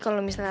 atau udah lah